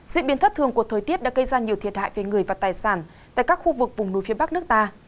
diễn biến thất thường của thời tiết đã gây ra nhiều thiệt hại về người và tài sản tại các khu vực vùng núi phía bắc nước ta